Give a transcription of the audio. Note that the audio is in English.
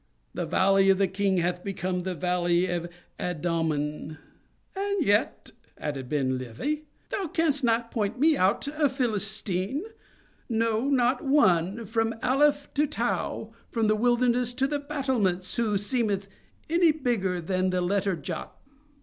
The valley of the King hath become the valley of Adommin." "And yet," added Ben Levi, "thou canst not point me out a Philistine—no, not one—from Aleph to Tau—from the wilderness to the battlements—who seemeth any bigger than the letter Jod!"